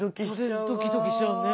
それドキドキしちゃうね。